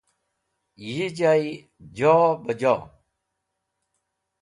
Yi jay joh be joh.